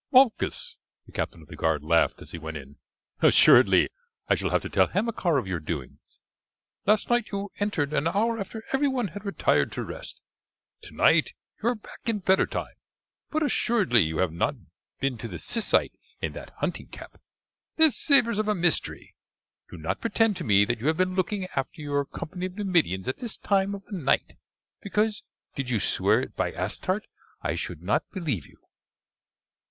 "Malchus," the captain of the guard laughed as he went in, "assuredly I shall have to tell Hamilcar of your doings. Last night you entered an hour after every one had retired to rest, tonight you are back in better time, but assuredly you have not been to the Syssite in that hunting cap. This savours of a mystery. Do not pretend to me that you have been looking after your company of Numidians at this time of the night, because, did you swear it by Astarte, I should not believe you."